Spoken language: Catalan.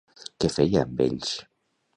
Què feia amb ells?